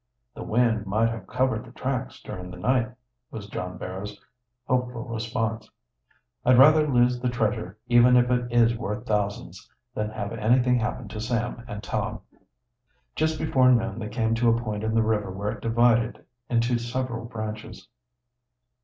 "The wind might have covered the tracks during the night," was John Barrow's hopeful response. "I'd rather lose the treasure, even if it is worth thousands, than have anything happen to Sam and Tom." Just before noon they came to a point in the river where it divided into several branches.